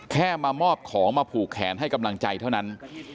แค่มามอบของมาผูกแขนให้กำลังใจเท่านั้น